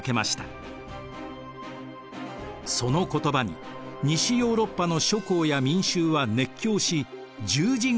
その言葉に西ヨーロッパの諸侯や民衆は熱狂し十字軍が結成されたのです。